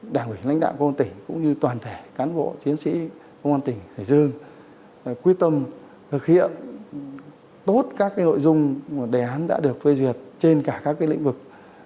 đảng ủy lãnh đạo công an tỉnh cũng như toàn thể cán bộ chiến sĩ công an tỉnh hải dương quyết tâm thực hiện tốt các nội dung đề án đã được phê duyệt trên cả các lĩnh vực